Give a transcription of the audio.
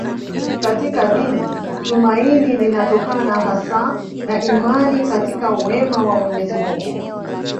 Katika dini tumaini linatokana hasa na imani katika wema wa Mwenyezi Mungu.